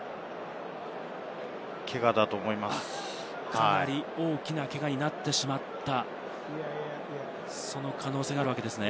かなり大きなけがになってしまったか、その可能性があるわけですね。